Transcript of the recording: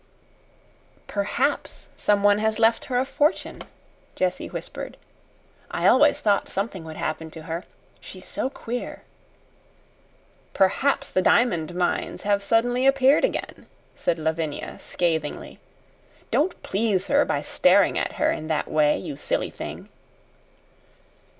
"Perhaps someone has left her a fortune," Jessie whispered. "I always thought something would happen to her. She's so queer." "Perhaps the diamond mines have suddenly appeared again," said Lavinia, scathingly. "Don't please her by staring at her in that way, you silly thing."